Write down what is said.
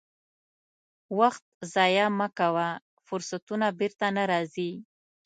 وخت ضایع مه کوه، فرصتونه بیرته نه راځي.